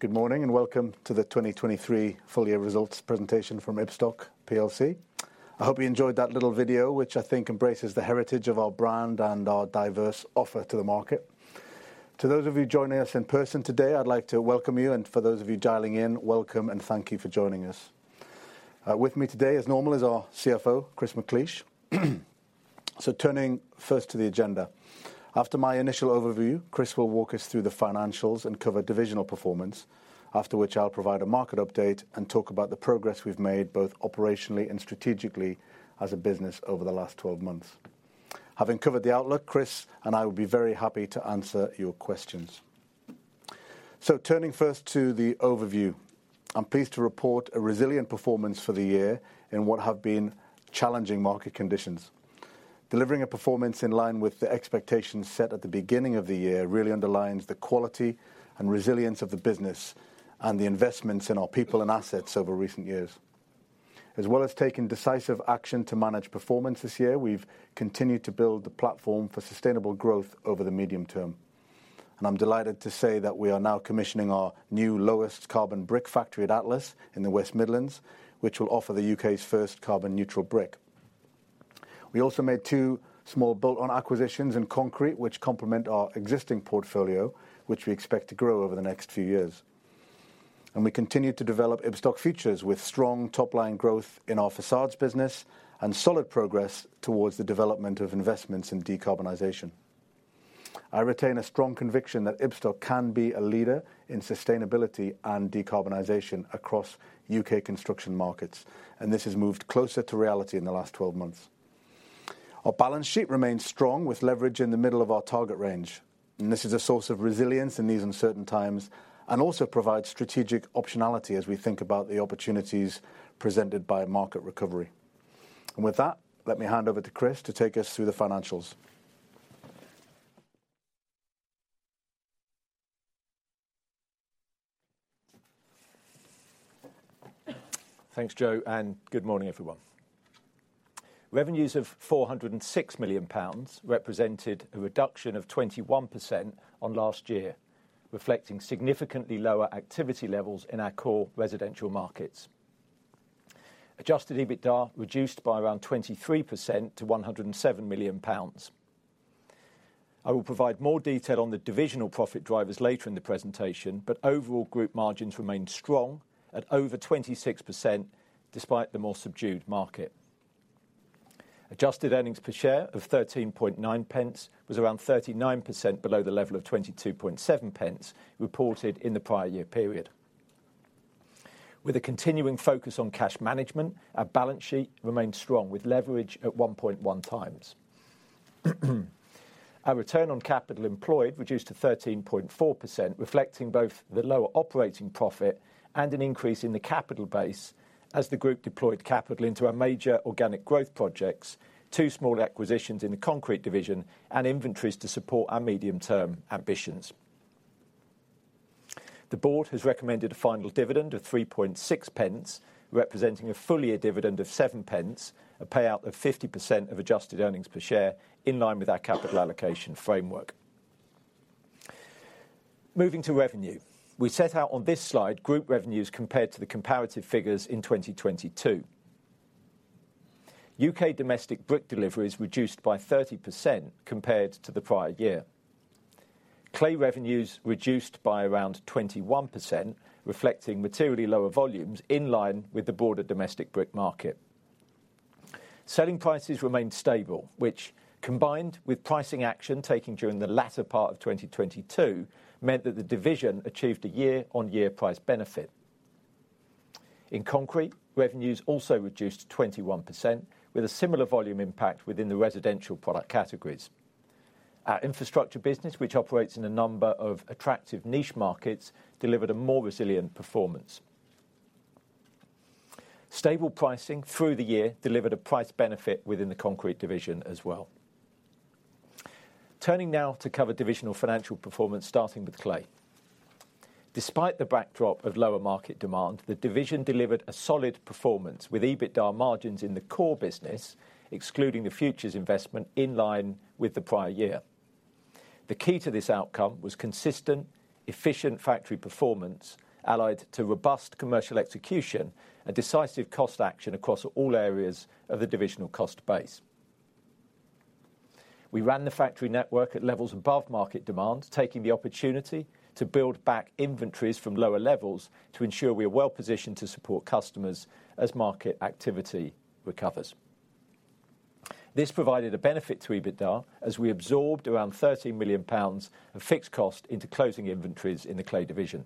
Good morning and welcome to the 2023 full-year results presentation from Ibstock PLC. I hope you enjoyed that little video, which I think embraces the heritage of our brand and our diverse offer to the market. To those of you joining us in person today, I'd like to welcome you, and for those of you dialing in, welcome and thank you for joining us. With me today, as normal, is our CFO, Chris McLeish. So turning first to the agenda. After my initial overview, Chris will walk us through the financials and cover divisional performance, after which I'll provide a market update and talk about the progress we've made both operationally and strategically as a business over the last 12 months. Having covered the outlook, Chris and I will be very happy to answer your questions. So turning first to the overview. I'm pleased to report a resilient performance for the year in what have been challenging market conditions. Delivering a performance in line with the expectations set at the beginning of the year really underlines the quality and resilience of the business and the investments in our people and assets over recent years. As well as taking decisive action to manage performance this year, we've continued to build the platform for sustainable growth over the medium term. I'm delighted to say that we are now commissioning our new lowest carbon brick factory at Atlas in the West Midlands, which will offer the U.K.'s first carbon-neutral brick. We also made two small bolt-on acquisitions in Concrete, which complement our existing portfolio, which we expect to grow over the next few years. We continue to develop Ibstock Futures with strong top-line growth in our façades business and solid progress towards the development of investments in decarbonization. I retain a strong conviction that Ibstock can be a leader in sustainability and decarbonization across U.K. construction markets, and this has moved closer to reality in the last 12 months. Our balance sheet remains strong with leverage in the middle of our target range, and this is a source of resilience in these uncertain times and also provides strategic optionality as we think about the opportunities presented by market recovery. With that, let me hand over to Chris to take us through the financials. Thanks, Joe, and good morning, everyone. Revenues of 406 million pounds represented a reduction of 21% on last year, reflecting significantly lower activity levels in our core residential markets. Adjusted EBITDA reduced by around 23% to 107 million pounds. I will provide more detail on the divisional profit drivers later in the presentation, but overall group margins remained strong at over 26% despite the more subdued market. Adjusted earnings per share of 0.139 was around 39% below the level of 0.227 reported in the prior year period. With a continuing focus on cash management, our balance sheet remained strong with leverage at 1.1x. Our return on capital employed reduced to 13.4%, reflecting both the lower operating profit and an increase in the capital base as the group deployed capital into our major organic growth projects, two small acquisitions in the Concrete division, and inventories to support our medium-term ambitions. The board has recommended a final dividend of 0.036, representing a full-year dividend of 0.07, a payout of 50% of adjusted earnings per share in line with our capital allocation framework. Moving to revenue. We set out on this slide group revenues compared to the comparative figures in 2022. U.K. domestic brick deliveries reduced by 30% compared to the prior year. Clay revenues reduced by around 21%, reflecting materially lower volumes in line with the broader domestic brick market. Selling prices remained stable, which, combined with pricing action taken during the latter part of 2022, meant that the division achieved a year-on-year price benefit. In Concrete, revenues also reduced 21%, with a similar volume impact within the residential product categories. Our infrastructure business, which operates in a number of attractive niche markets, delivered a more resilient performance. Stable pricing through the year delivered a price benefit within the Concrete division as well. Turning now to cover divisional financial performance starting with Clay. Despite the backdrop of lower market demand, the division delivered a solid performance with EBITDA margins in the core business, excluding the Futures investment, in line with the prior year. The key to this outcome was consistent, efficient factory performance allied to robust commercial execution and decisive cost action across all areas of the divisional cost base. We ran the factory network at levels above market demand, taking the opportunity to build back inventories from lower levels to ensure we are well positioned to support customers as market activity recovers. This provided a benefit to EBITDA as we absorbed around 13 million pounds of fixed cost into closing inventories in the Clay division.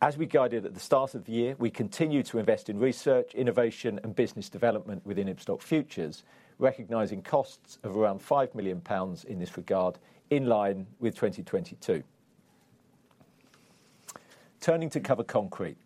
As we guided at the start of the year, we continued to invest in research, innovation, and business development within Ibstock Futures, recognizing costs of around 5 million pounds in this regard in line with 2022. Turning to cover Concrete.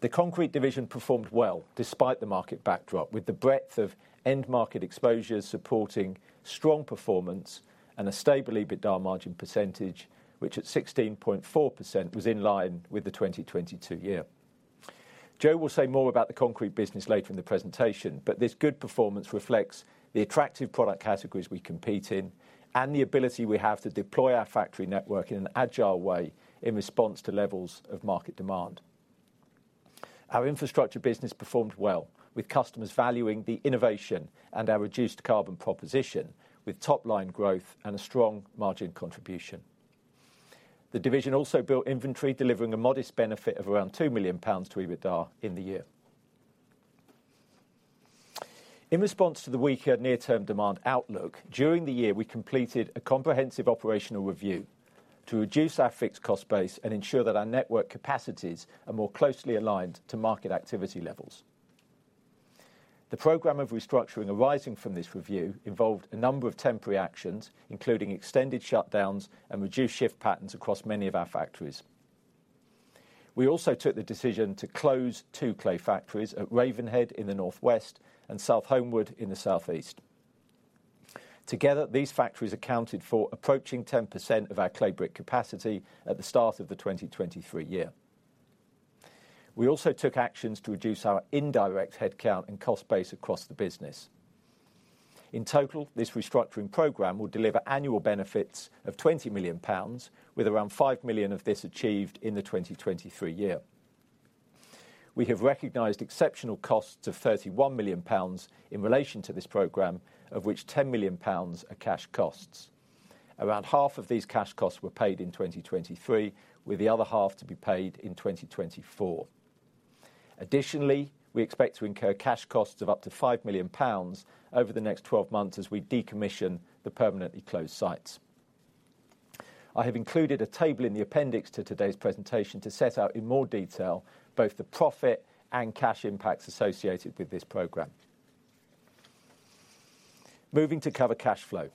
The Concrete division performed well despite the market backdrop, with the breadth of end-market exposures supporting strong performance and a stable EBITDA margin percentage, which at 16.4% was in line with the 2022 year. Joe will say more about the Concrete business later in the presentation, but this good performance reflects the attractive product categories we compete in and the ability we have to deploy our factory network in an agile way in response to levels of market demand. Our infrastructure business performed well, with customers valuing the innovation and our reduced carbon proposition, with top-line growth and a strong margin contribution. The division also built inventory, delivering a modest benefit of around 2 million pounds to EBITDA in the year. In response to the weaker near-term demand outlook, during the year we completed a comprehensive operational review to reduce our fixed cost base and ensure that our network capacities are more closely aligned to market activity levels. The program of restructuring arising from this review involved a number of temporary actions, including extended shutdowns and reduced shift patterns across many of our factories. We also took the decision to close two clay factories at Ravenhead in the northwest and South Holmwood in the southeast. Together, these factories accounted for approaching 10% of our clay brick capacity at the start of the 2023 year. We also took actions to reduce our indirect headcount and cost base across the business. In total, this restructuring program will deliver annual benefits of 20 million pounds, with around 5 million of this achieved in the 2023 year. We have recognized exceptional costs of 31 million pounds in relation to this program, of which 10 million pounds are cash costs. Around half of these cash costs were paid in 2023, with the other half to be paid in 2024. Additionally, we expect to incur cash costs of up to 5 million pounds over the next 12 months as we decommission the permanently closed sites. I have included a table in the appendix to today's presentation to set out in more detail both the profit and cash impacts associated with this program. Moving to cover cash flow.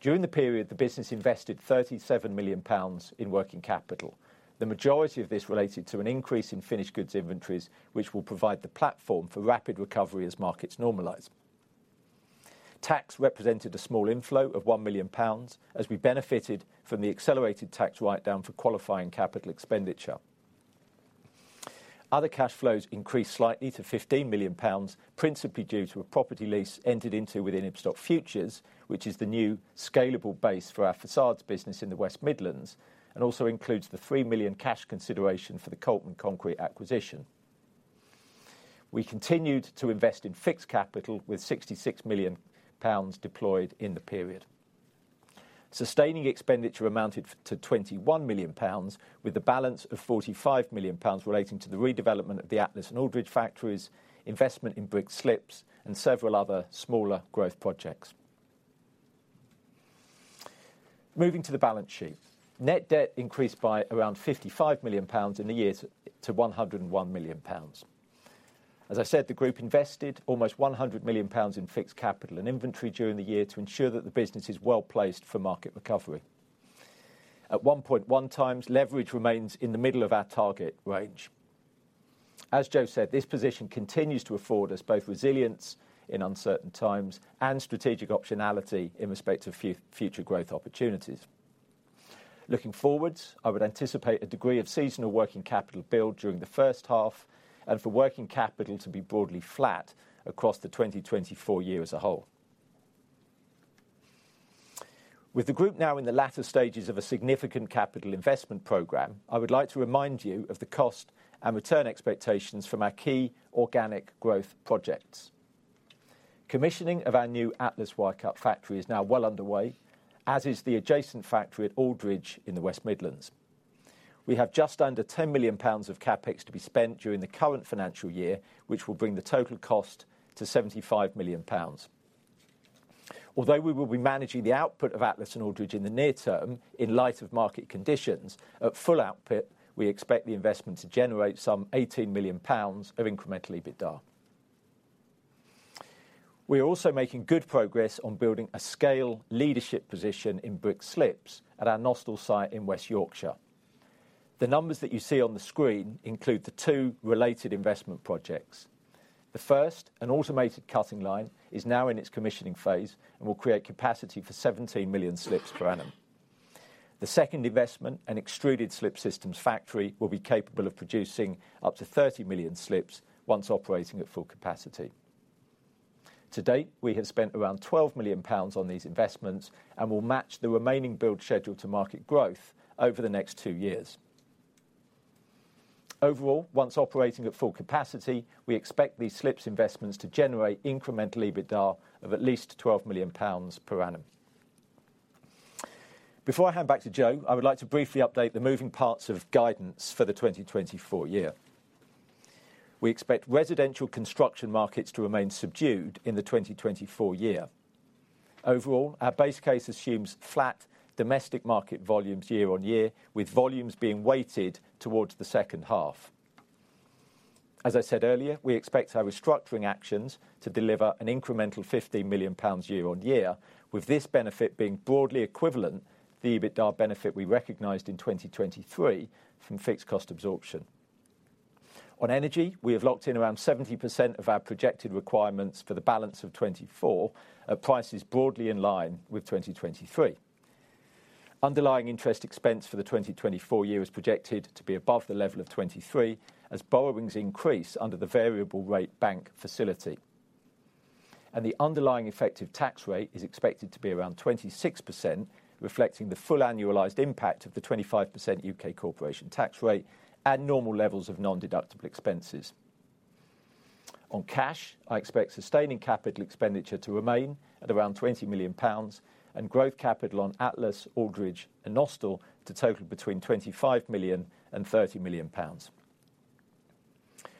During the period, the business invested 37 million pounds in working capital. The majority of this related to an increase in finished goods inventories, which will provide the platform for rapid recovery as markets normalize. Tax represented a small inflow of 1 million pounds as we benefited from the accelerated tax write-down for qualifying capital expenditure. Other cash flows increased slightly to 15 million pounds, principally due to a property lease entered into within Ibstock Futures, which is the new scalable base for our façades business in the West Midlands and also includes the 3 million cash consideration for the Coltman Concrete acquisition. We continued to invest in fixed capital with 66 million pounds deployed in the period. Sustaining expenditure amounted to 21 million pounds, with the balance of 45 million pounds relating to the redevelopment of the Atlas and Aldridge factories, investment in brick slips, and several other smaller growth projects. Moving to the balance sheet. Net debt increased by around 55 million pounds in the year to 101 million pounds. As I said, the group invested almost 100 million pounds in fixed capital and inventory during the year to ensure that the business is well placed for market recovery. At 1.1x, leverage remains in the middle of our target range. As Joe said, this position continues to afford us both resilience in uncertain times and strategic optionality in respect to future growth opportunities. Looking forward, I would anticipate a degree of seasonal working capital build during the first half and for working capital to be broadly flat across the 2024 year as a whole. With the group now in the latter stages of a significant capital investment program, I would like to remind you of the cost and return expectations from our key organic growth projects. Commissioning of our new Atlas wire-cut factory is now well underway, as is the adjacent factory at Aldridge in the West Midlands. We have just under 10 million pounds of CapEx to be spent during the current financial year, which will bring the total cost to 75 million pounds. Although we will be managing the output of Atlas and Aldridge in the near term in light of market conditions, at full output, we expect the investment to generate some GBP 18 million of incremental EBITDA. We are also making good progress on building a scale leadership position in brick slips at our Nostell site in West Yorkshire. The numbers that you see on the screen include the two related investment projects. The first, an automated cutting line, is now in its commissioning phase and will create capacity for 17 million slips per annum. The second investment, an extruded slip systems factory, will be capable of producing up to 30 million slips once operating at full capacity. To date, we have spent around 12 million pounds on these investments and will match the remaining build schedule to market growth over the next two years. Overall, once operating at full capacity, we expect these slips investments to generate incremental EBITDA of at least 12 million pounds per annum. Before I hand back to Joe, I would like to briefly update the moving parts of guidance for the 2024 year. We expect residential construction markets to remain subdued in the 2024 year. Overall, our base case assumes flat domestic market volumes year on year, with volumes being weighted towards the second half. As I said earlier, we expect our restructuring actions to deliver an incremental 15 million pounds year-on-year, with this benefit being broadly equivalent to the EBITDA benefit we recognized in 2023 from fixed cost absorption. On energy, we have locked in around 70% of our projected requirements for the balance of 2024 at prices broadly in line with 2023. Underlying interest expense for the 2024 year is projected to be above the level of 2023 as borrowings increase under the variable rate bank facility. The underlying effective tax rate is expected to be around 26%, reflecting the full annualized impact of the 25% U.K. corporation tax rate and normal levels of non-deductible expenses. On cash, I expect sustaining capital expenditure to remain at around 20 million pounds and growth capital on Atlas, Aldridge, and Nostell to total between 25 million and 30 million pounds.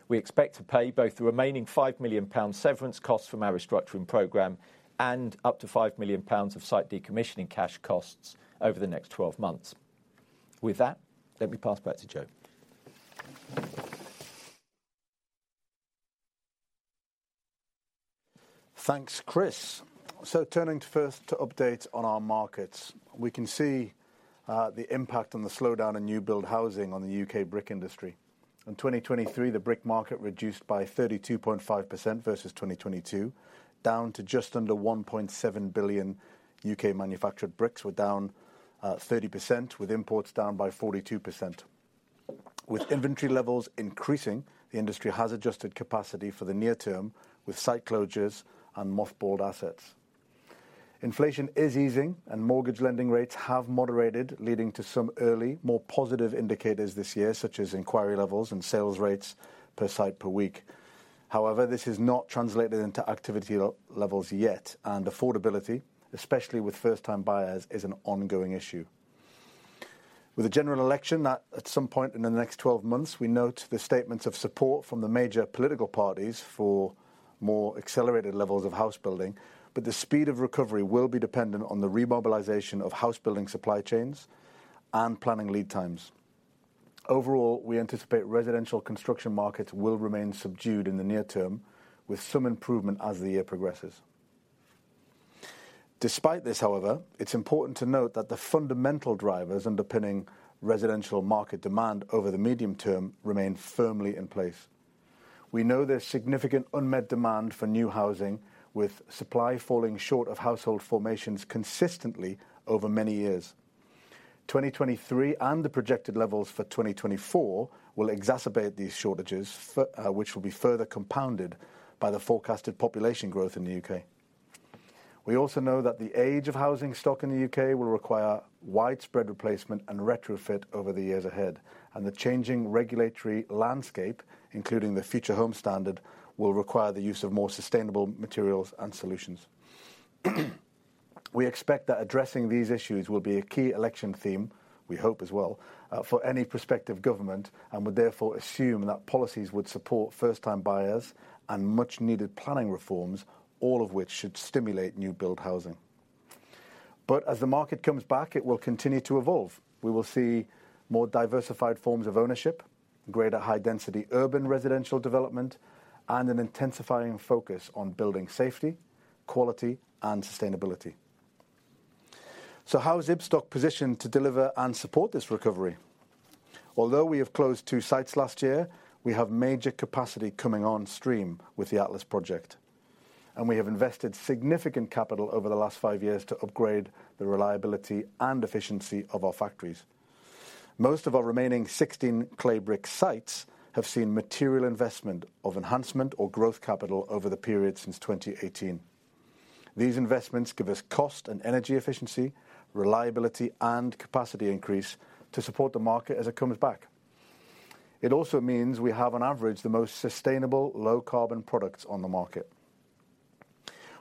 We expect to pay both the remaining 5 million pounds severance costs from our restructuring program and up to 5 million pounds of site decommissioning cash costs over the next 12 months. With that, let me pass back to Joe. Thanks, Chris. So turning first to updates on our markets. We can see the impact on the slowdown in new-build housing on the U.K. brick industry. In 2023, the brick market reduced by 32.5% versus 2022, down to just under 1.7 billion U.K. manufactured bricks. We're down 30%, with imports down by 42%. With inventory levels increasing, the industry has adjusted capacity for the near term with site closures and mothballed assets. Inflation is easing, and mortgage lending rates have moderated, leading to some early, more positive indicators this year, such as inquiry levels and sales rates per site per week. However, this is not translated into activity levels yet, and affordability, especially with first-time buyers, is an ongoing issue. With a general election at some point in the next 12 months, we note the statements of support from the major political parties for more accelerated levels of house building, but the speed of recovery will be dependent on the remobilization of house building supply chains and planning lead times. Overall, we anticipate residential construction markets will remain subdued in the near term, with some improvement as the year progresses. Despite this, however, it's important to note that the fundamental drivers underpinning residential market demand over the medium term remain firmly in place. We know there's significant unmet demand for new housing, with supply falling short of household formations consistently over many years. 2023 and the projected levels for 2024 will exacerbate these shortages, which will be further compounded by the forecasted population growth in the U.K.. We also know that the age of housing stock in the U.K. will require widespread replacement and retrofit over the years ahead, and the changing regulatory landscape, including the Future Homes Standard, will require the use of more sustainable materials and solutions. We expect that addressing these issues will be a key election theme - we hope as well - for any prospective government and would therefore assume that policies would support first-time buyers and much-needed planning reforms, all of which should stimulate new-build housing. But as the market comes back, it will continue to evolve. We will see more diversified forms of ownership, greater high-density urban residential development, and an intensifying focus on building safety, quality, and sustainability. How is Ibstock positioned to deliver and support this recovery? Although we have closed two sites last year, we have major capacity coming on stream with the Atlas project, and we have invested significant capital over the last five years to upgrade the reliability and efficiency of our factories. Most of our remaining 16 clay brick sites have seen material investment of enhancement or growth capital over the period since 2018. These investments give us cost and energy efficiency, reliability, and capacity increase to support the market as it comes back. It also means we have, on average, the most sustainable, low-carbon products on the market.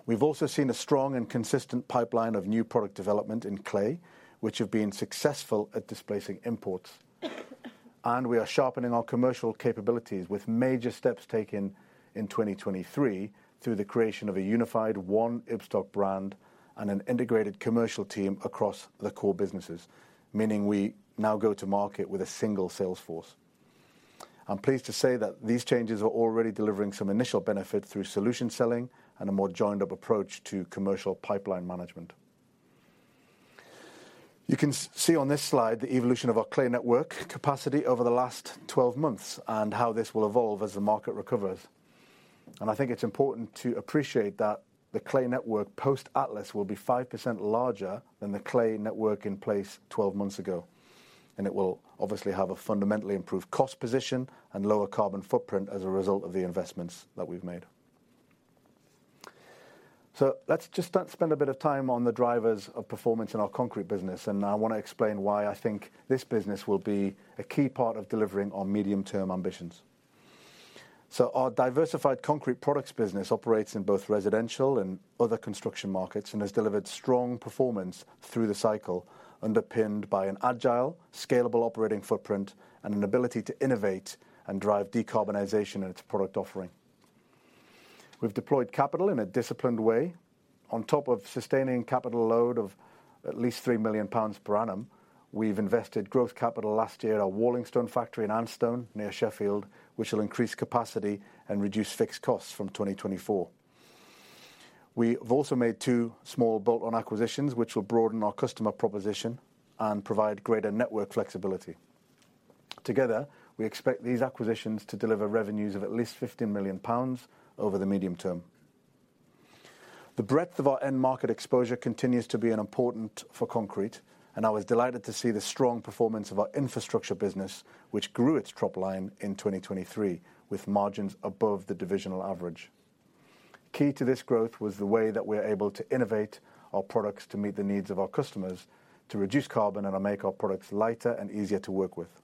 We've also seen a strong and consistent pipeline of new product development in Clay, which have been successful at displacing imports, and we are sharpening our commercial capabilities with major steps taken in 2023 through the creation of a unified One Ibstock brand and an integrated commercial team across the core businesses, meaning we now go to market with a single sales force. I'm pleased to say that these changes are already delivering some initial benefits through solution selling and a more joined-up approach to commercial pipeline management. You can see on this slide the evolution of our Clay network capacity over the last 12 months and how this will evolve as the market recovers. I think it's important to appreciate that the Clay network post-Atlas will be 5% larger than the Clay network in place 12 months ago, and it will obviously have a fundamentally improved cost position and lower carbon footprint as a result of the investments that we've made. So let's just spend a bit of time on the drivers of performance in our Concrete business, and I want to explain why I think this business will be a key part of delivering our medium-term ambitions. So our diversified Concrete products business operates in both residential and other construction markets and has delivered strong performance through the cycle, underpinned by an agile, scalable operating footprint and an ability to innovate and drive decarbonization in its product offering. We've deployed capital in a disciplined way. On top of sustaining capital load of at least 3 million pounds per annum, we've invested growth capital last year at our walling stone factory in Anston near Sheffield, which will increase capacity and reduce fixed costs from 2024. We've also made two small bolt-on acquisitions, which will broaden our customer proposition and provide greater network flexibility. Together, we expect these acquisitions to deliver revenues of at least 15 million pounds over the medium term. The breadth of our end-market exposure continues to be important for Concrete, and I was delighted to see the strong performance of our infrastructure business, which grew its topline in 2023 with margins above the divisional average. Key to this growth was the way that we're able to innovate our products to meet the needs of our customers, to reduce carbon, and to make our products lighter and easier to work with.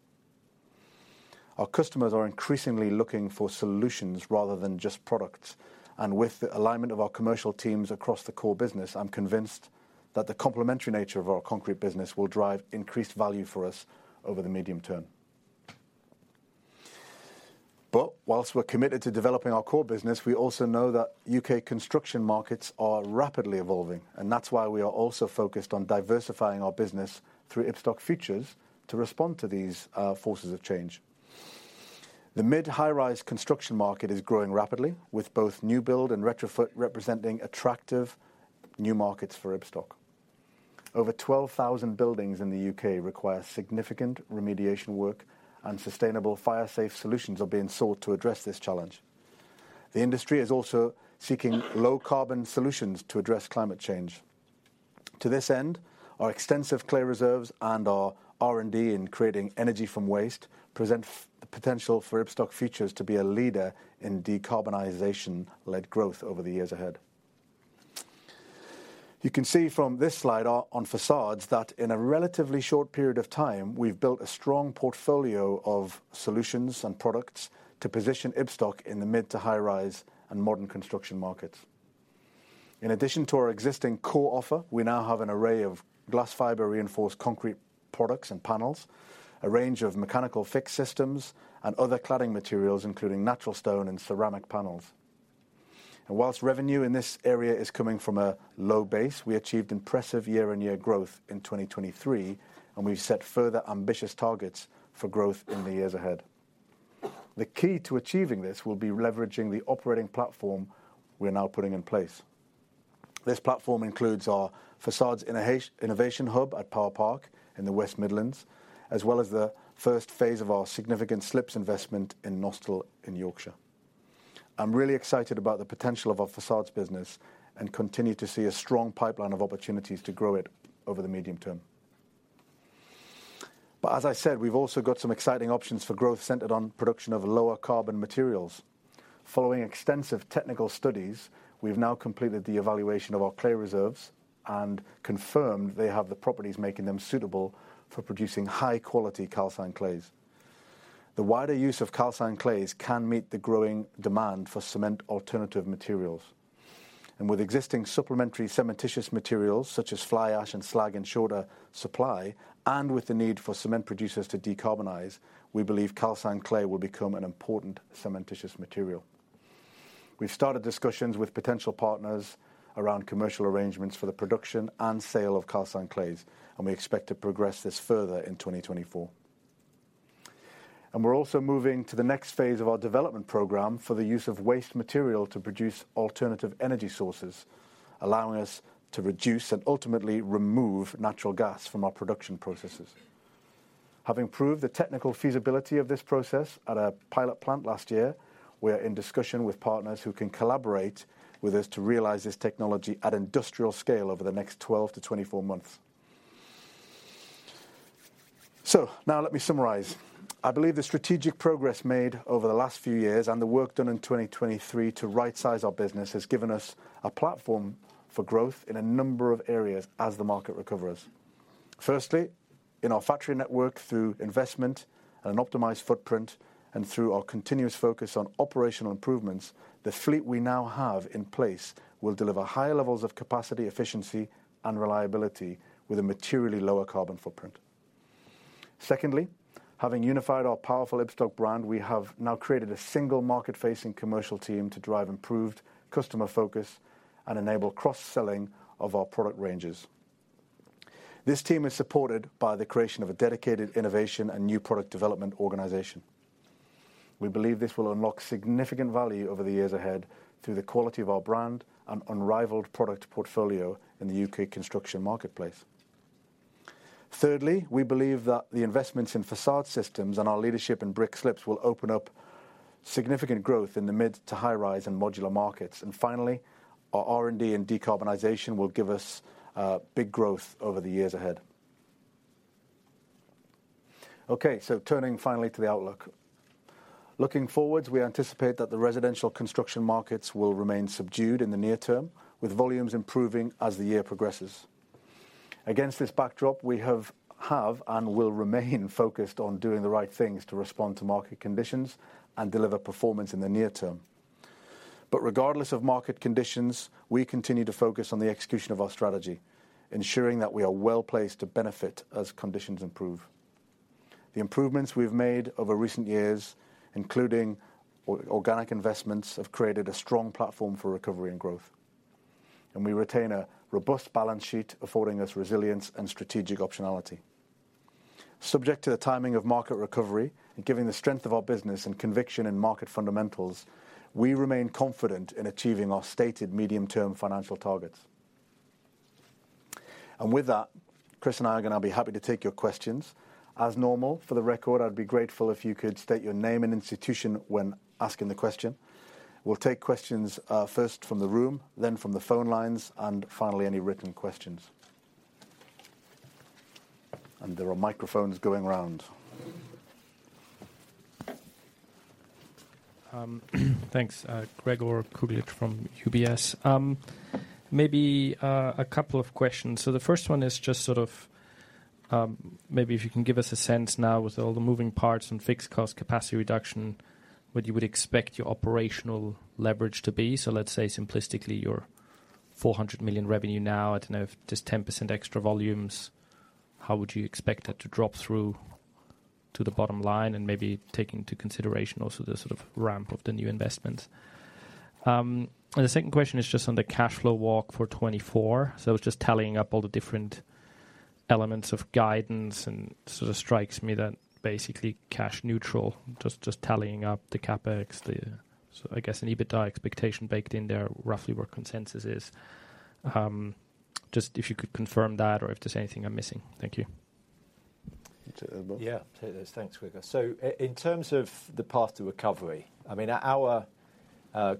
Our customers are increasingly looking for solutions rather than just products, and with the alignment of our commercial teams across the core business, I'm convinced that the complementary nature of our Concrete business will drive increased value for us over the medium term. But whilst we're committed to developing our core business, we also know that U.K. construction markets are rapidly evolving, and that's why we are also focused on diversifying our business through Ibstock Futures to respond to these forces of change. The mid-high-rise construction market is growing rapidly, with both new-build and retrofit representing attractive new markets for Ibstock. Over 12,000 buildings in the U.K. require significant remediation work, and sustainable, fire-safe solutions are being sought to address this challenge. The industry is also seeking low-carbon solutions to address climate change. To this end, our extensive clay reserves and our R&D in creating energy from waste present the potential for Ibstock Futures to be a leader in decarbonization-led growth over the years ahead. You can see from this slide on façades that in a relatively short period of time, we've built a strong portfolio of solutions and products to position Ibstock in the mid- to high-rise and modern construction markets. In addition to our existing core offer, we now have an array of glass fibre reinforced concrete products and panels, a range of mechanical fix systems, and other cladding materials, including natural stone and ceramic panels. While revenue in this area is coming from a low base, we achieved impressive year-over-year growth in 2023, and we've set further ambitious targets for growth in the years ahead. The key to achieving this will be leveraging the operating platform we're now putting in place. This platform includes our Façades Innovation Hub at Power Park in the West Midlands, as well as the first phase of our significant slips investment in Nostell in Yorkshire. I'm really excited about the potential of our façades business and continue to see a strong pipeline of opportunities to grow it over the medium term. But as I said, we've also got some exciting options for growth centered on production of lower-carbon materials. Following extensive technical studies, we've now completed the evaluation of our clay reserves and confirmed they have the properties making them suitable for producing high-quality calcined clays. The wider use of calcined clays can meet the growing demand for cement alternative materials. And with existing supplementary cementitious materials such as fly ash and slag in shorter supply, and with the need for cement producers to decarbonize, we believe calcined clay will become an important cementitious material. We've started discussions with potential partners around commercial arrangements for the production and sale of calcined clays, and we expect to progress this further in 2024. And we're also moving to the next phase of our development program for the use of waste material to produce alternative energy sources, allowing us to reduce and ultimately remove natural gas from our production processes. Having proved the technical feasibility of this process at a pilot plant last year, we are in discussion with partners who can collaborate with us to realize this technology at industrial scale over the next 12-24 months. So now let me summarize. I believe the strategic progress made over the last few years and the work done in 2023 to right-size our business has given us a platform for growth in a number of areas as the market recovers. Firstly, in our factory network through investment and an optimized footprint, and through our continuous focus on operational improvements, the fleet we now have in place will deliver higher levels of capacity, efficiency, and reliability with a materially lower carbon footprint. Secondly, having unified our powerful Ibstock brand, we have now created a single market-facing commercial team to drive improved customer focus and enable cross-selling of our product ranges. This team is supported by the creation of a dedicated innovation and new product development organization. We believe this will unlock significant value over the years ahead through the quality of our brand and unrivaled product portfolio in the U.K. construction marketplace. Thirdly, we believe that the investments in façade systems and our leadership in brick slips will open up significant growth in the mid- to high-rise and modular markets. Finally, our R&D and decarbonization will give us big growth over the years ahead. Okay, so turning finally to the outlook. Looking forward, we anticipate that the residential construction markets will remain subdued in the near term, with volumes improving as the year progresses. Against this backdrop, we have and will remain focused on doing the right things to respond to market conditions and deliver performance in the near term. Regardless of market conditions, we continue to focus on the execution of our strategy, ensuring that we are well placed to benefit as conditions improve. The improvements we've made over recent years, including organic investments, have created a strong platform for recovery and growth, and we retain a robust balance sheet affording us resilience and strategic optionality. Subject to the timing of market recovery and given the strength of our business and conviction in market fundamentals, we remain confident in achieving our stated medium-term financial targets. With that, Chris and I are going to be happy to take your questions. As normal, for the record, I'd be grateful if you could state your name and institution when asking the question. We'll take questions first from the room, then from the phone lines, and finally any written questions. There are microphones going round. Thanks. Gregor Kuglitsch from UBS. Maybe a couple of questions. So the first one is just sort of maybe if you can give us a sense now with all the moving parts and fixed cost capacity reduction, what you would expect your operational leverage to be. So let's say simplistically you're 400 million revenue now. I don't know. If just 10% extra volumes, how would you expect that to drop through to the bottom line and maybe taking into consideration also the sort of ramp of the new investments? And the second question is just on the cash flow walk for 2024. So I was just tallying up all the different elements of guidance, and sort of strikes me that basically cash neutral, just tallying up the CapEx, I guess an EBITDA expectation baked in there, roughly where consensus is. Just if you could confirm that or if there's anything I'm missing. Thank you. Yeah, I'll take this. Thanks, Gregor. So in terms of the path to recovery, I mean, our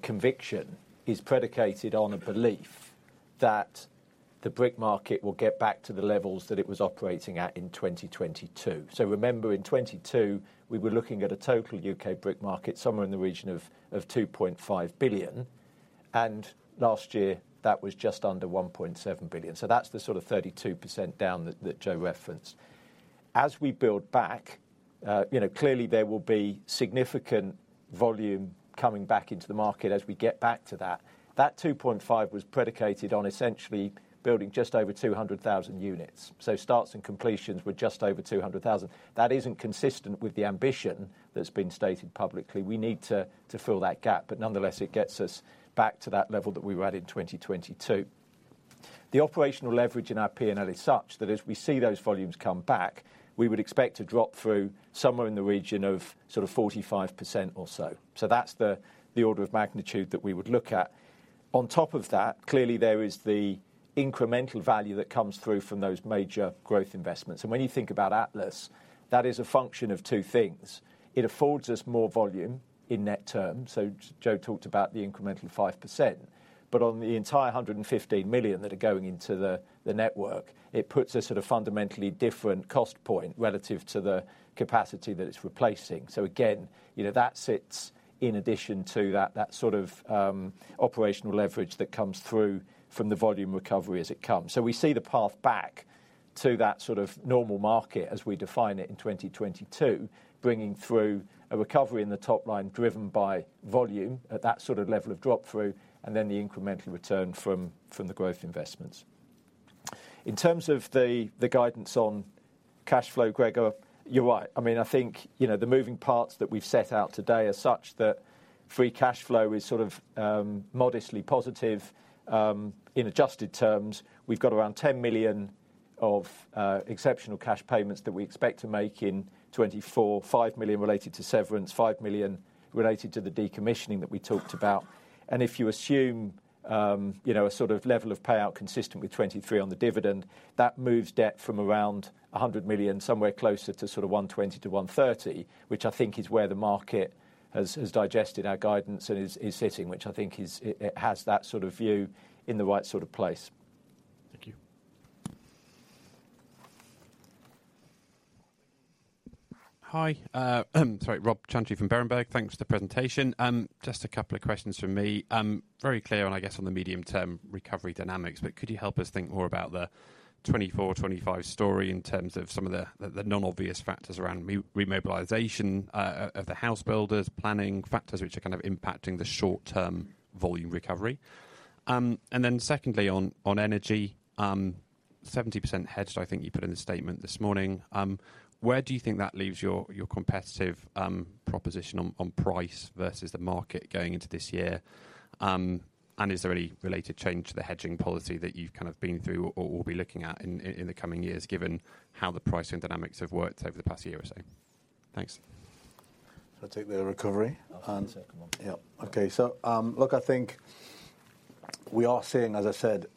conviction is predicated on a belief that the brick market will get back to the levels that it was operating at in 2022. So remember, in 2022, we were looking at a total U.K. brick market somewhere in the region of 2.5 billion, and last year that was just under 1.7 billion. So that's the sort of 32% down that Joe referenced. As we build back, clearly there will be significant volume coming back into the market as we get back to that. That 2.5 was predicated on essentially building just over 200,000 units. So starts and completions were just over 200,000. That isn't consistent with the ambition that's been stated publicly. We need to fill that gap, but nonetheless, it gets us back to that level that we were at in 2022. The operational leverage in our P&L is such that as we see those volumes come back, we would expect to drop through somewhere in the region of sort of 45% or so. So that's the order of magnitude that we would look at. On top of that, clearly there is the incremental value that comes through from those major growth investments. And when you think about Atlas, that is a function of two things. It affords us more volume in net term. So Joe talked about the incremental 5%. But on the entire 115 million that are going into the network, it puts a sort of fundamentally different cost point relative to the capacity that it's replacing. So again, that sits in addition to that sort of operational leverage that comes through from the volume recovery as it comes. So we see the path back to that sort of normal market as we define it in 2022, bringing through a recovery in the top line driven by volume at that sort of level of drop through, and then the incremental return from the growth investments. In terms of the guidance on cash flow, Gregor, you're right. I mean, I think the moving parts that we've set out today are such that free cash flow is sort of modestly positive. In adjusted terms, we've got around 10 million of exceptional cash payments that we expect to make in 2024, 5 million related to severance, 5 million related to the decommissioning that we talked about. If you assume a sort of level of payout consistent with 2023 on the dividend, that moves debt from around 100 million somewhere closer to sort of 120 million-130 million, which I think is where the market has digested our guidance and is sitting, which I think has that sort of view in the right sort of place. Thank you. Hi. Sorry, Rob Chantry from Berenberg. Thanks for the presentation. Just a couple of questions from me. Very clear on, I guess, on the medium-term recovery dynamics, but could you help us think more about the 2024-2025 story in terms of some of the non-obvious factors around remobilization of the house builders, planning factors which are kind of impacting the short-term volume recovery? And then secondly, on energy, 70% hedged, I think you put in the statement this morning. Where do you think that leaves your competitive proposition on price versus the market going into this year? And is there any related change to the hedging policy that you've kind of been through or will be looking at in the coming years given how the pricing dynamics have worked over the past year or so? Thanks. I'll take the recovery. I'll take the second one. Yeah. Okay. So look, I think we are seeing, as I said,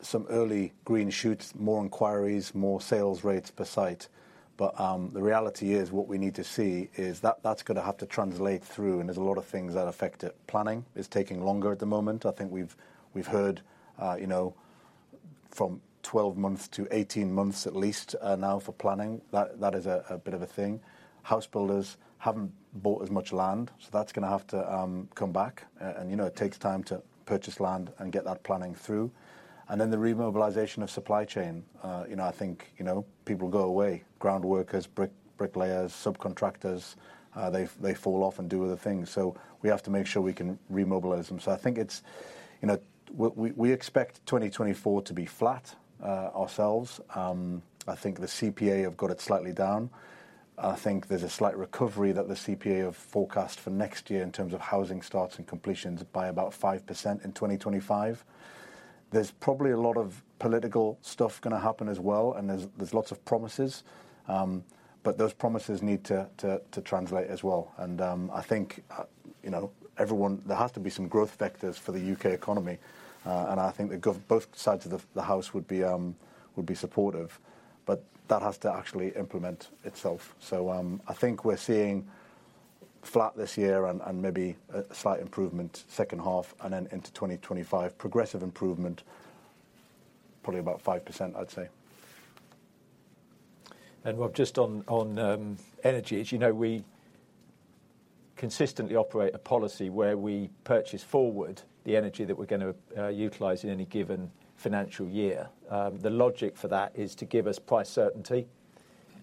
some early green shoots, more inquiries, more sales rates per site. But the reality is what we need to see is that's going to have to translate through, and there's a lot of things that affect it. Planning is taking longer at the moment. I think we've heard from 12 months-18 months at least now for planning. That is a bit of a thing. House builders haven't bought as much land, so that's going to have to come back. And it takes time to purchase land and get that planning through. And then the remobilization of supply chain, I think people go away. Groundworkers, bricklayers, subcontractors, they fall off and do other things. So we have to make sure we can remobilize them. So I think we expect 2024 to be flat ourselves. I think the CPA have got it slightly down. I think there's a slight recovery that the CPA have forecast for next year in terms of housing starts and completions by about 5% in 2025. There's probably a lot of political stuff going to happen as well, and there's lots of promises. But those promises need to translate as well. And I think there has to be some growth vectors for the U.K. economy, and I think that both sides of the house would be supportive. But that has to actually implement itself. So I think we're seeing flat this year and maybe a slight improvement second half and then into 2025, progressive improvement, probably about 5%, I'd say. Rob, just on energy, as you know, we consistently operate a policy where we purchase forward the energy that we're going to utilize in any given financial year. The logic for that is to give us price certainty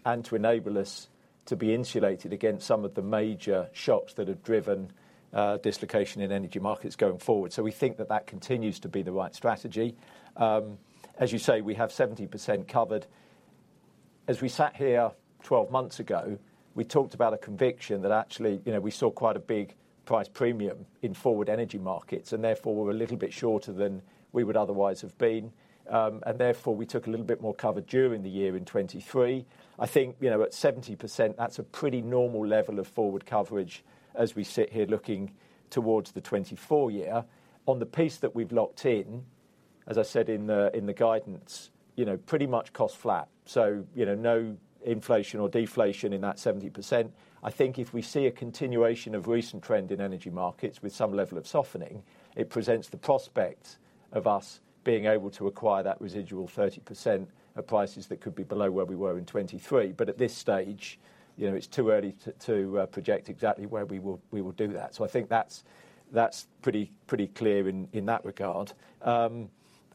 and to enable us to be insulated against some of the major shocks that have driven dislocation in energy markets going forward. So we think that that continues to be the right strategy. As you say, we have 70% covered. As we sat here 12 months ago, we talked about a conviction that actually we saw quite a big price premium in forward energy markets, and therefore we're a little bit shorter than we would otherwise have been. And therefore we took a little bit more cover during the year in 2023. I think at 70%, that's a pretty normal level of forward coverage as we sit here looking towards the 2024 year. On the piece that we've locked in, as I said in the guidance, pretty much cost flat. So no inflation or deflation in that 70%. I think if we see a continuation of recent trend in energy markets with some level of softening, it presents the prospect of us being able to acquire that residual 30% at prices that could be below where we were in 2023. But at this stage, it's too early to project exactly where we will do that. So I think that's pretty clear in that regard. And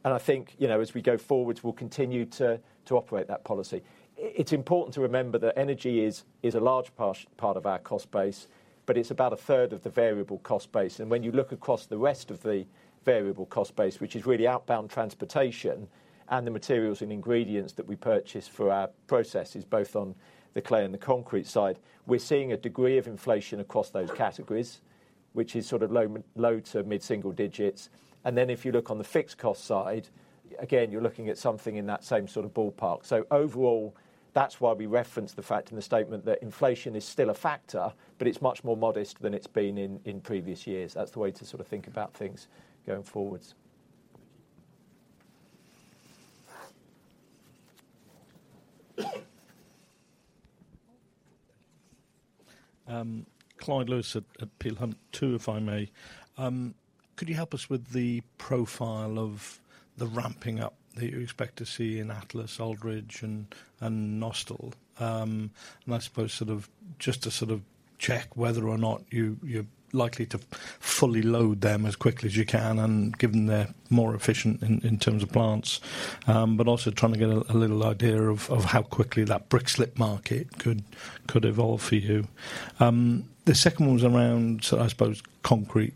I think as we go forward, we'll continue to operate that policy. It's important to remember that energy is a large part of our cost base, but it's about a third of the variable cost base. And when you look across the rest of the variable cost base, which is really outbound transportation and the materials and ingredients that we purchase for our processes, both on the Clay and the Concrete side, we're seeing a degree of inflation across those categories, which is sort of low to mid-single digits. And then if you look on the fixed cost side, again, you're looking at something in that same sort of ballpark. So overall, that's why we reference the fact in the statement that inflation is still a factor, but it's much more modest than it's been in previous years. That's the way to sort of think about things going forward. Thank you. Clyde Lewis at Peel Hunt, if I may. Could you help us with the profile of the ramping up that you expect to see in Atlas, Aldridge, and Nostell? And I suppose sort of just to sort of check whether or not you're likely to fully load them as quickly as you can and given they're more efficient in terms of plants, but also trying to get a little idea of how quickly that brick slips market could evolve for you. The second one was around, I suppose, Concrete.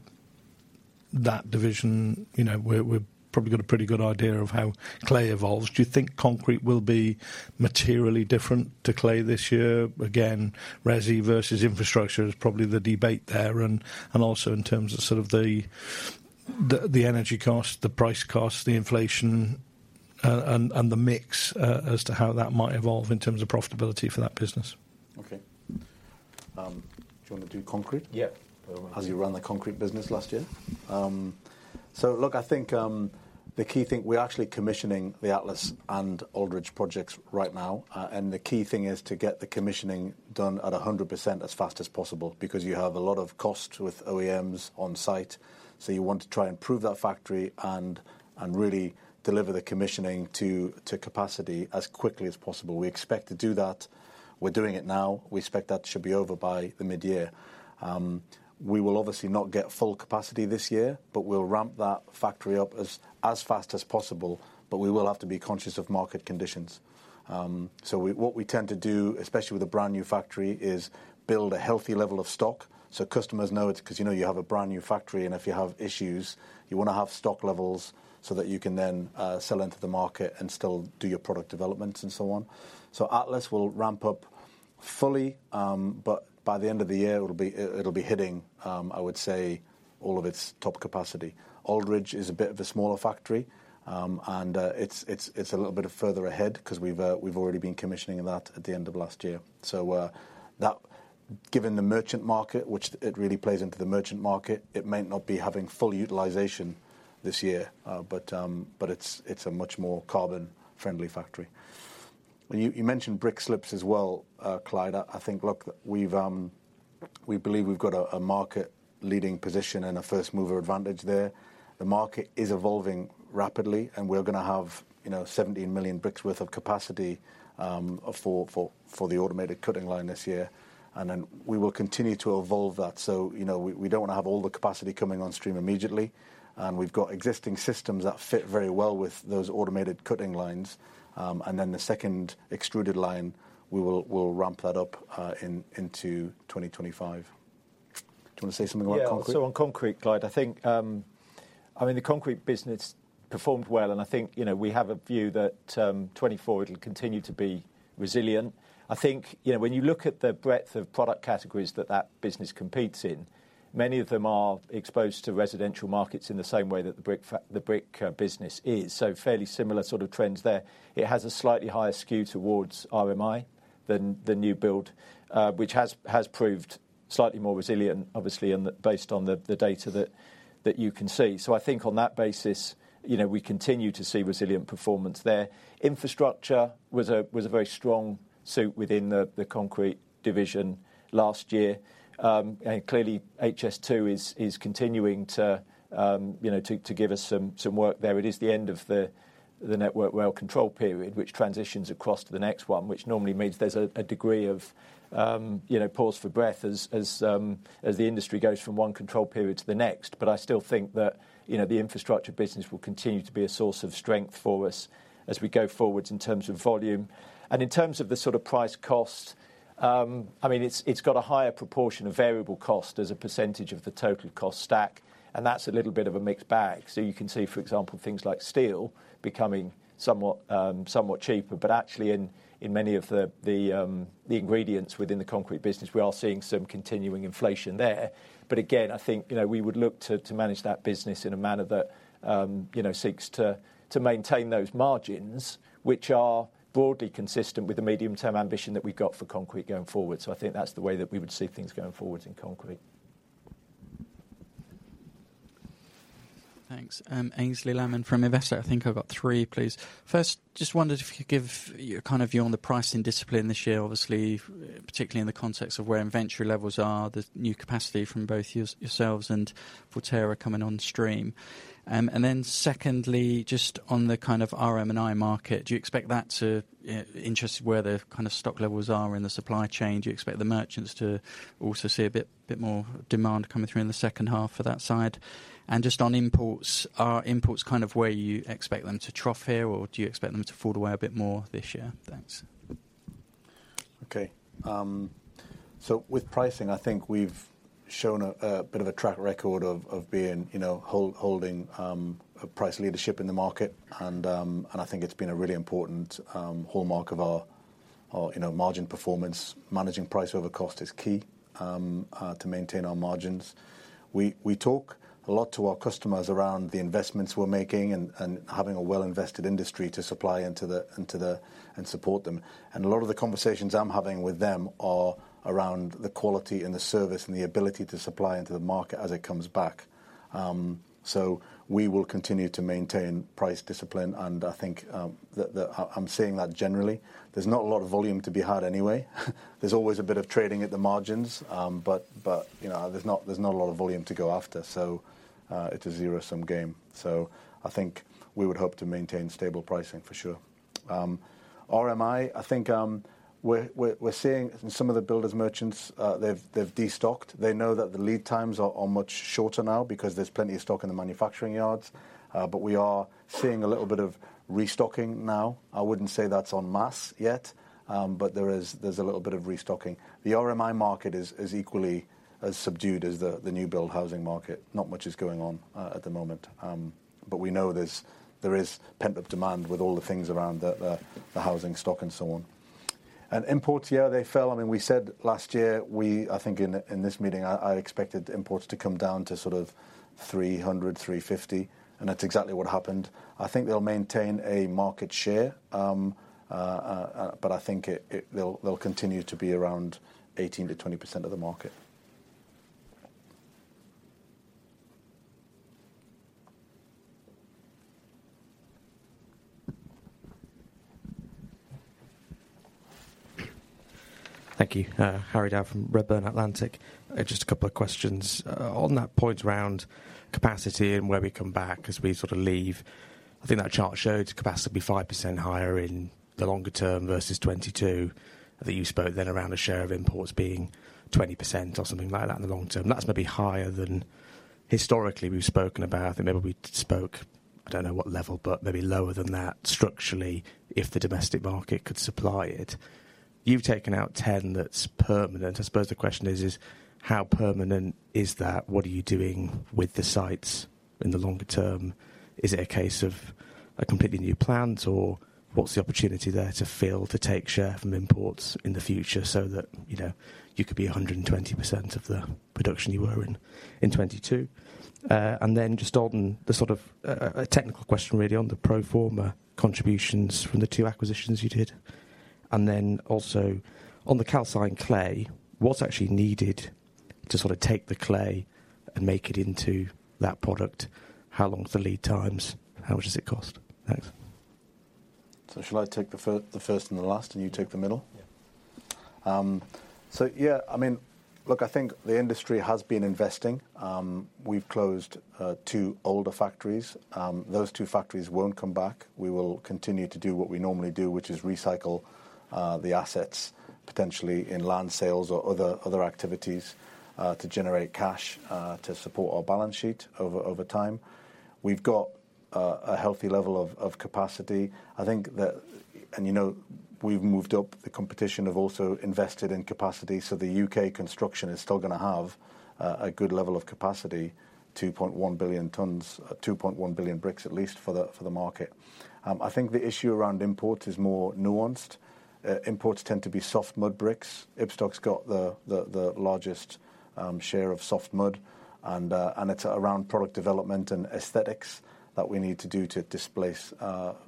That division, we're probably got a pretty good idea of how Clay evolves. Do you think Concrete will be materially different to Clay this year? Again, resi versus infrastructure is probably the debate there. And also in terms of sort of the energy cost, the price cost, the inflation, and the mix as to how that might evolve in terms of profitability for that business. Okay. Do you want to do Concrete? Yeah. As you ran the Concrete business last year. So look, I think the key thing we're actually commissioning the Atlas and Aldridge projects right now. And the key thing is to get the commissioning done at 100% as fast as possible because you have a lot of cost with OEMs on site. So you want to try and prove that factory and really deliver the commissioning to capacity as quickly as possible. We expect to do that. We're doing it now. We expect that should be over by the mid-year. We will obviously not get full capacity this year, but we'll ramp that factory up as fast as possible. But we will have to be conscious of market conditions. So what we tend to do, especially with a brand new factory, is build a healthy level of stock so customers know it's because you have a brand new factory, and if you have issues, you want to have stock levels so that you can then sell into the market and still do your product developments and so on. So Atlas will ramp up fully, but by the end of the year, it'll be hitting, I would say, all of its top capacity. Aldridge is a bit of a smaller factory, and it's a little bit further ahead because we've already been commissioning that at the end of last year. So given the merchant market, which it really plays into the merchant market, it might not be having full utilization this year, but it's a much more carbon-friendly factory. You mentioned brick slips as well, Clyde. I think, look, we believe we've got a market-leading position and a first-mover advantage there. The market is evolving rapidly, and we're going to have 17 million bricks' worth of capacity for the automated cutting line this year. And then we will continue to evolve that. So we don't want to have all the capacity coming on stream immediately. And we've got existing systems that fit very well with those automated cutting lines. And then the second extruded line, we will ramp that up into 2025. Do you want to say something about Concrete? Yeah. So on Concrete, Clyde, I mean, the Concrete business performed well, and I think we have a view that 2024 it'll continue to be resilient. I think when you look at the breadth of product categories that that business competes in, many of them are exposed to residential markets in the same way that the brick business is. So fairly similar sort of trends there. It has a slightly higher skew towards RMI than the new build, which has proved slightly more resilient, obviously, based on the data that you can see. So I think on that basis, we continue to see resilient performance there. Infrastructure was a very strong suit within the Concrete division last year. And clearly, HS2 is continuing to give us some work there. It is the end of the Network Rail Control Period, which transitions across to the next one, which normally means there's a degree of pause for breath as the industry goes from one Control Period to the next. But I still think that the infrastructure business will continue to be a source of strength for us as we go forward in terms of volume. And in terms of the sort of price cost, I mean, it's got a higher proportion of variable cost as a percentage of the total cost stack. And that's a little bit of a mixed bag. So you can see, for example, things like steel becoming somewhat cheaper. But actually, in many of the ingredients within the Concrete business, we are seeing some continuing inflation there. But again, I think we would look to manage that business in a manner that seeks to maintain those margins, which are broadly consistent with the medium-term ambition that we've got for Concrete going forward. So I think that's the way that we would see things going forward in Concrete. Thanks. Aynsley Lammin from Investec. I think I've got three, please. First, just wondered if you could give kind of your on the pricing discipline this year, obviously, particularly in the context of where inventory levels are, the new capacity from both yourselves and Forterra coming on stream. And then secondly, just on the kind of RMI market, do you expect that to interest where the kind of stock levels are in the supply chain? Do you expect the merchants to also see a bit more demand coming through in the second half for that side? And just on imports, are imports kind of where you expect them to trough here, or do you expect them to fall away a bit more this year? Thanks. Okay. So with pricing, I think we've shown a bit of a track record of holding price leadership in the market. And I think it's been a really important hallmark of our margin performance. Managing price over cost is key to maintain our margins. We talk a lot to our customers around the investments we're making and having a well-invested industry to supply into them and support them. And a lot of the conversations I'm having with them are around the quality and the service and the ability to supply into the market as it comes back. So we will continue to maintain price discipline, and I think that I'm seeing that generally. There's not a lot of volume to be had anyway. There's always a bit of trading at the margins, but there's not a lot of volume to go after. So it's a zero-sum game. So I think we would hope to maintain stable pricing for sure. RMI, I think we're seeing in some of the builders' merchants, they've destocked. They know that the lead times are much shorter now because there's plenty of stock in the manufacturing yards. But we are seeing a little bit of restocking now. I wouldn't say that's en masse yet, but there's a little bit of restocking. The RMI market is equally as subdued as the new-build housing market. Not much is going on at the moment. But we know there is pent-up demand with all the things around the housing stock and so on. And imports, yeah, they fell. I mean, we said last year, I think in this meeting, I expected imports to come down to sort of 300-350. And that's exactly what happened. I think they'll maintain a market share, but I think they'll continue to be around 18%-20% of the market. Thank you. Harry Dow from Redburn Atlantic. Just a couple of questions on that point around capacity and where we come back as we sort of leave. I think that chart showed capacity to be 5% higher in the longer term versus 2022 that you spoke then around a share of imports being 20% or something like that in the long term. That's maybe higher than historically we've spoken about. I think maybe we spoke, I don't know what level, but maybe lower than that structurally if the domestic market could supply it. You've taken out 10 that's permanent. I suppose the question is, how permanent is that? What are you doing with the sites in the longer term? Is it a case of a completely new plant, or what's the opportunity there to fill, to take share from imports in the future so that you could be 120% of the production you were in 2022? And then just Aldridge, the sort of technical question really on the pro forma contributions from the two acquisitions you did. And then also on the calcined clay, what's actually needed to sort of take the clay and make it into that product? How long's the lead times? How much does it cost? Thanks. Shall I take the first and the last, and you take the middle? Yeah. So yeah, I mean, look, I think the industry has been investing. We've closed two older factories. Those two factories won't come back. We will continue to do what we normally do, which is recycle the assets potentially in land sales or other activities to generate cash to support our balance sheet over time. We've got a healthy level of capacity. I think that, and we've moved up, the competition have also invested in capacity. So the U.K. construction is still going to have a good level of capacity, 2.1 billion tons, 2.1 billion bricks at least for the market. I think the issue around imports is more nuanced. Imports tend to be soft mud bricks. Ibstock's got the largest share of soft mud. And it's around product development and aesthetics that we need to do to displace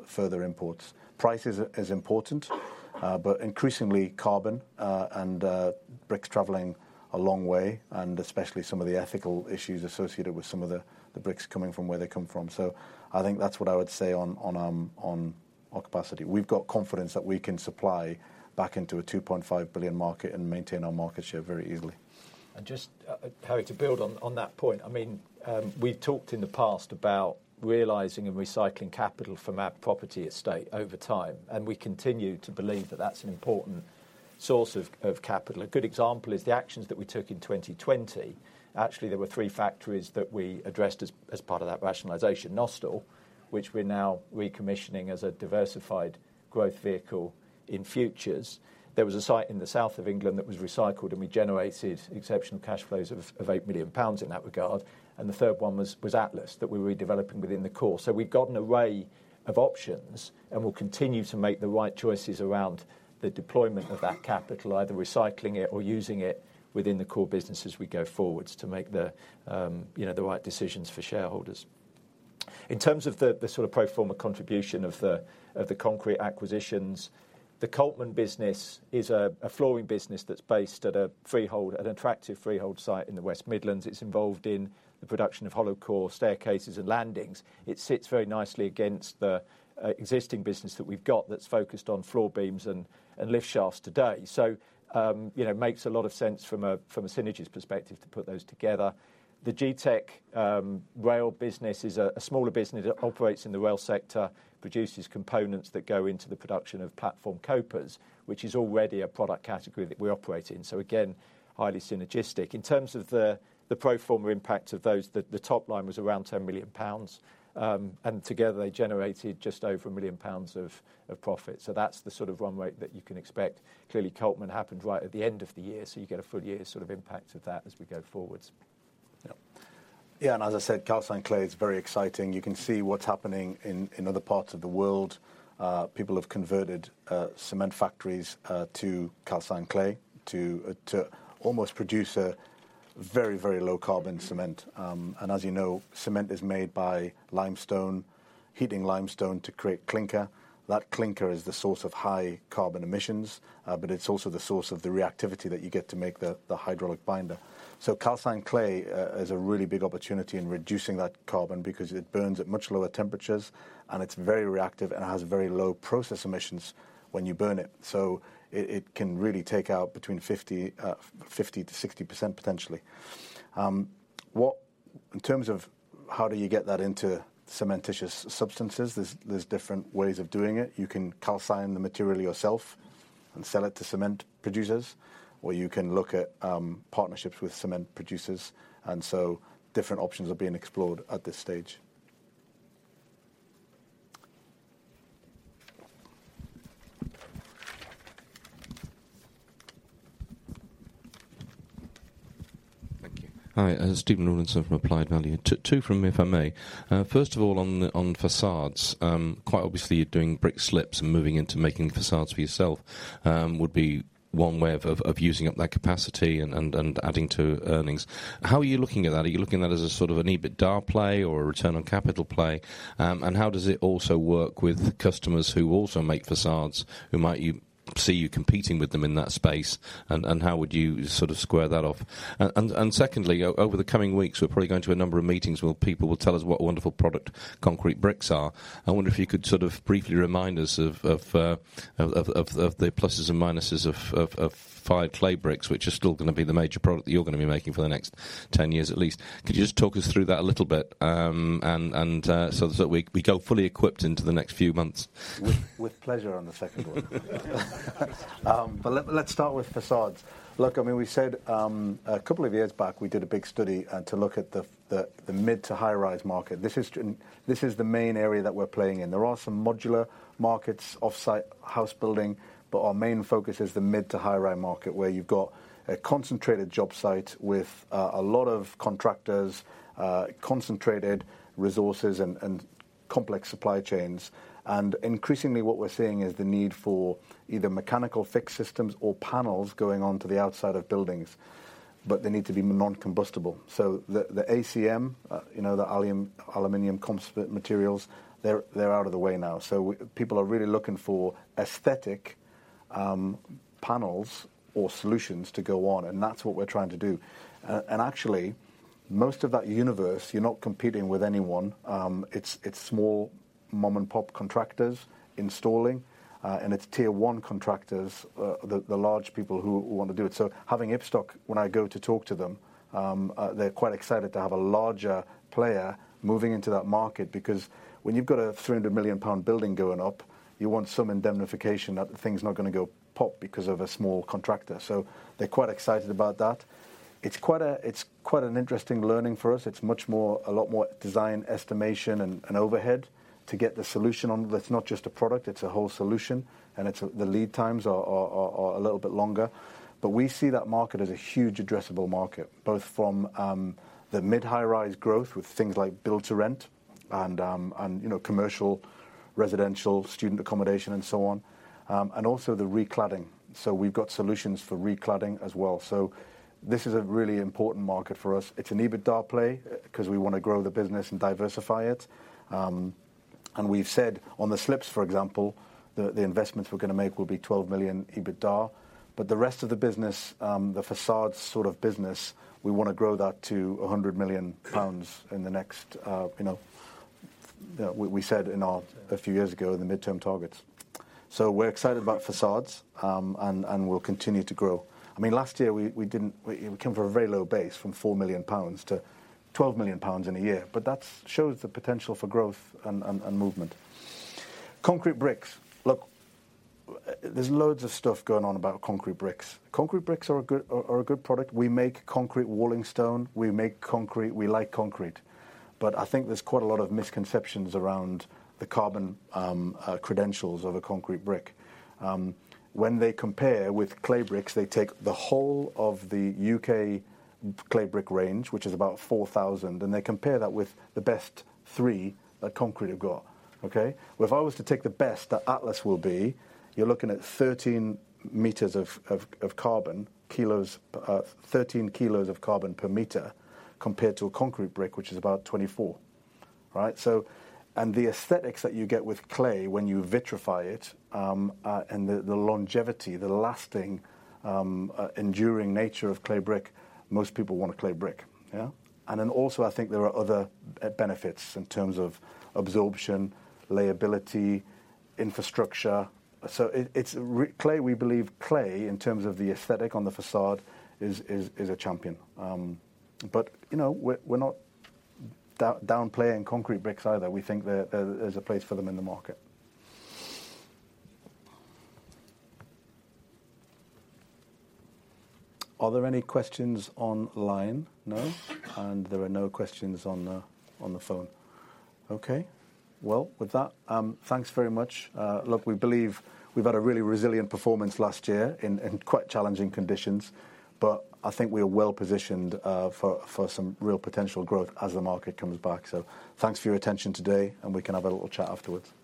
further imports. Price is important, but increasingly, carbon and bricks travelling a long way, and especially some of the ethical issues associated with some of the bricks coming from where they come from. So I think that's what I would say on our capacity. We've got confidence that we can supply back into a 2.5 billion market and maintain our market share very easily. And just, Harry, to build on that point, I mean, we've talked in the past about realizing and recycling capital from our property estate over time. And we continue to believe that that's an important source of capital. A good example is the actions that we took in 2020. Actually, there were three factories that we addressed as part of that rationalization, Nostell, which we're now recommissioning as a diversified growth vehicle in Futures. There was a site in the south of England that was recycled, and we generated exceptional cash flows of 8 million pounds in that regard. And the third one was Atlas that we were redeveloping within the core. We've got an array of options, and we'll continue to make the right choices around the deployment of that capital, either recycling it or using it within the core business as we go forward to make the right decisions for shareholders. In terms of the sort of pro forma contribution of the Concrete acquisitions, the Coltman business is a flooring business that's based at an attractive freehold site in the West Midlands. It's involved in the production of hollow core, staircases, and landings. It sits very nicely against the existing business that we've got that's focused on floor beams and lift shafts today. It makes a lot of sense from a synergies perspective to put those together. The G-Tech Rail business is a smaller business that operates in the rail sector, produces components that go into the production of platform copers, which is already a product category that we operate in. So again, highly synergistic. In terms of the pro forma impact of those, the top line was around 10 million pounds. And together, they generated just over 1 million pounds of profit. So that's the sort of run rate that you can expect. Clearly, Coltman happened right at the end of the year, so you get a full year sort of impact of that as we go forward. Yeah. Yeah. And as I said, calcined clay is very exciting. You can see what's happening in other parts of the world. People have converted cement factories to calcined clay to almost produce a very, very low-carbon cement. And as you know, cement is made by heating limestone to create clinker. That clinker is the source of high carbon emissions, but it's also the source of the reactivity that you get to make the hydraulic binder. So calcined clay is a really big opportunity in reducing that carbon because it burns at much lower temperatures, and it's very reactive, and it has very low process emissions when you burn it. So it can really take out between 50%-60%, potentially. In terms of how do you get that into cementitious substances, there's different ways of doing it. You can calcine the material yourself and sell it to cement producers, or you can look at partnerships with cement producers. Different options are being explored at this stage. Thank you. Hi. Stephen Rawlinson from Applied Value. Two from me, if I may. First of all, on façades, quite obviously, you're doing brick slips and moving into making façades for yourself would be one way of using up that capacity and adding to earnings. How are you looking at that? Are you looking at that as a sort of an EBITDA play or a return on capital play? And how does it also work with customers who also make façades who might see you competing with them in that space? And how would you sort of square that off? And secondly, over the coming weeks, we're probably going to a number of meetings where people will tell us what wonderful product concrete bricks are. I wonder if you could sort of briefly remind us of the pluses and minuses of fired clay bricks, which are still going to be the major product that you're going to be making for the next 10 years at least. Could you just talk us through that a little bit so that we go fully equipped into the next few months? With pleasure on the second one. But let's start with façades. Look, I mean, we said a couple of years back, we did a big study to look at the mid- to high-rise market. This is the main area that we're playing in. There are some modular markets, off-site house building, but our main focus is the mid- to high-rise market where you've got a concentrated job site with a lot of contractors, concentrated resources, and complex supply chains. And increasingly, what we're seeing is the need for either mechanical fixed systems or panels going onto the outside of buildings, but they need to be non-combustible. So the ACM, the aluminium composite materials, they're out of the way now. So people are really looking for aesthetic panels or solutions to go on. And that's what we're trying to do. And actually, most of that universe, you're not competing with anyone. It's small mom-and-pop contractors installing, and it's tier-one contractors, the large people who want to do it. So having Ibstock, when I go to talk to them, they're quite excited to have a larger player moving into that market because when you've got a 300 million pound building going up, you want some indemnification that thing's not going to go pop because of a small contractor. So they're quite excited about that. It's quite an interesting learning for us. It's a lot more design estimation and overhead to get the solution on that's not just a product. It's a whole solution. And the lead times are a little bit longer. But we see that market as a huge addressable market, both from the mid-high-rise growth with things like build-to-rent and commercial, residential, student accommodation, and so on, and also the re-cladding. So we've got solutions for re-cladding as well. So this is a really important market for us. It's an EBITDA play because we want to grow the business and diversify it. We've said on the slips, for example, the investments we're going to make will be 12 million EBITDA. The rest of the business, the façades sort of business, we want to grow that to 100 million pounds in the next we said a few years ago in the midterm targets. We're excited about façades, and we'll continue to grow. I mean, last year, we came from a very low base from 4 million pounds to 12 million pounds in a year. That shows the potential for growth and movement. Concrete bricks. Look, there's loads of stuff going on about concrete bricks. Concrete bricks are a good product. We make concrete walling stone. We make concrete. We like concrete. But I think there's quite a lot of misconceptions around the carbon credentials of a concrete brick. When they compare with clay bricks, they take the whole of the U.K. clay brick range, which is about 4,000, and they compare that with the best three that concrete have got. Okay? Well, if I was to take the best that Atlas will be, you're looking at 13 m of carbon, 13 kg of carbon per meter compared to a concrete brick, which is about 24, right? And the aesthetics that you get with clay when you vitrify it and the longevity, the lasting, enduring nature of clay brick, most people want a clay brick. Yeah? And then also, I think there are other benefits in terms of absorption, layability, infrastructure. So we believe clay in terms of the aesthetic on the façade is a champion. We're not downplaying concrete bricks either. We think there's a place for them in the market. Are there any questions online? No? And there are no questions on the phone. Okay. Well, with that, thanks very much. Look, we believe we've had a really resilient performance last year in quite challenging conditions. But I think we are well-positioned for some real potential growth as the market comes back. So thanks for your attention today, and we can have a little chat afterwards. Thank you.